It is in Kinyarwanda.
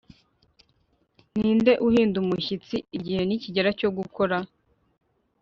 Ninde uhinda umushyitsi igihe nikigera cyo gukora